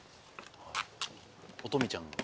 お富ちゃん。